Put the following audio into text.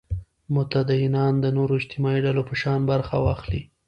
متدینان د نورو اجتماعي ډلو په شان برخه واخلي.